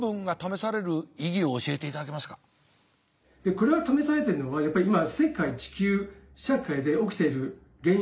これを試されてるのはやっぱりなるほど。